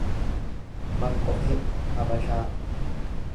Maqqofee Habashaa